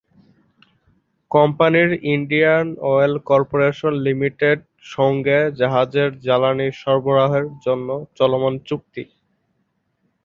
কোম্পানির Indian oil corporation limited সঙ্গে জাহাজের জ্বালানি সরবরাহের জন্য চলমান চুক্তি।